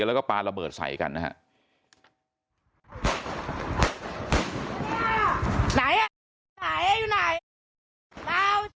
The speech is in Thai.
แล้วก็ปลาระเบิดใส่กันนะฮะ